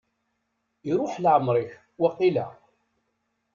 Iruḥ leɛmer-ik, waqila?